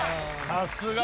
さすが！